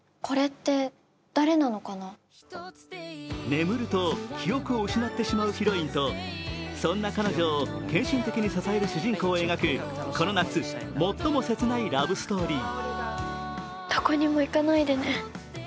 眠ると記憶を失ってしまうヒロインと、そんな彼女を献身的に支える主人公を描くこの夏最も切ないラブストーリー。